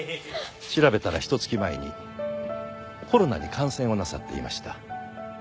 調べたらひと月前にコロナに感染をなさっていました。